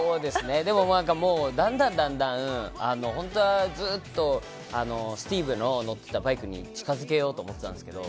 だんだん、だんだん本当はずっとスティーブの乗っていたバイクに近づけようと思ってたんですけど。